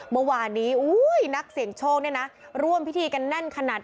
เมื่อวานนี้นักเสี่ยงโชคเนี่ยนะร่วมพิธีกันแน่นขนาด